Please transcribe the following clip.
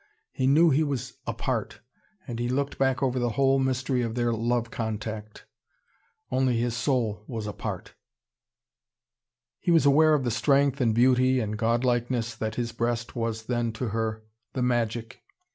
He knew he was apart. And he looked back over the whole mystery of their love contact. Only his soul was apart. He was aware of the strength and beauty and godlikeness that his breast was then to her the magic.